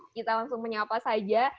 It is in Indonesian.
kita langsung menyapa saja